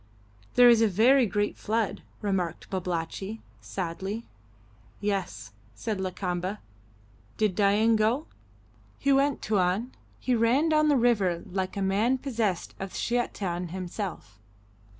"There is a very great flood," remarked Babalatchi, sadly. "Yes," said Lakamba. "Did Dain go?" "He went, Tuan. He ran down to the river like a man possessed of the Sheitan himself."